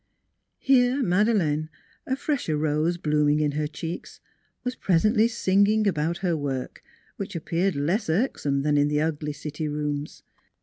Here Madeleine, a fresher rose blooming in her cheeks, was presently singing about her work, which appeared less irksome than in the ugly city rooms.